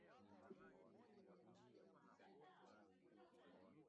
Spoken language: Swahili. jiko lenye chenye nyuzijoto mia tatu themanini arobaini sifuri oF linafaa kuoka mkate